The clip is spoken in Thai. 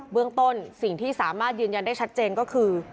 เรื่องต้นสิ่งที่สามารถยืนยันได้ชัดเจนก็คือ